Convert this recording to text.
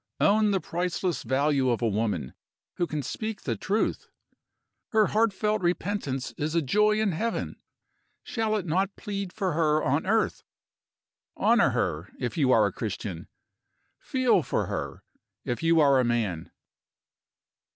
Own the priceless value of a woman who can speak the truth. Her heartfelt repentance is a joy in heaven. Shall it not plead for her on earth? Honor her, if you are a Christian! Feel for her, if you are a man!"